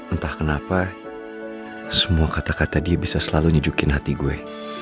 entah kenapa semua kata kata dia bisa selalu nunjukin hati gue